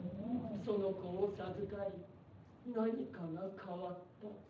その子を授かり何かが変わった。